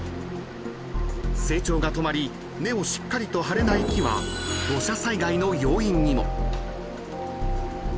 ［成長が止まり根をしっかりと張れない木は土砂災害の要因にも］